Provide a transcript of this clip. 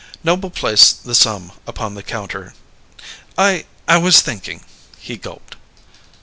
Noble placed the sum upon the counter. "I I was thinking " He gulped.